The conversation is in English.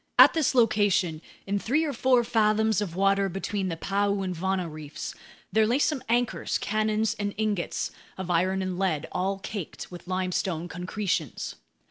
At this location, in three or four fathoms of water between the Paeu and Vana reefs, there lay some anchors, cannons, and ingots of iron and lead, all caked with limestone concretions.